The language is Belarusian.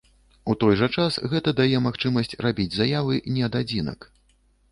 У той жа час гэта дае магчымасць рабіць заявы не ад адзінак.